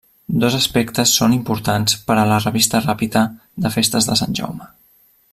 Dos aspectes són importants per a la revista Ràpita de festes de Sant Jaume.